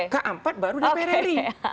keempat baru dprd